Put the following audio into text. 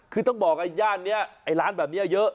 คือต้องบอกไอ้ย่านนี้ไอ้ร้านแบบนี้เยอะ